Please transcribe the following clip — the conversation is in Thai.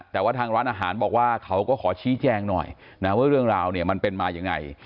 แต่ว่าทางร้านอาหารบอกว่าเขาก็ขอชี้แจงหน่อยนะว่าเรื่องราวเนี่ยมันเป็นมายังไง